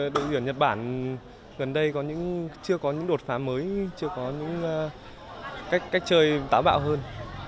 đội tuyển nhật bản gần đây chưa có những đột phá mới chưa có những cách chơi táo bạo hơn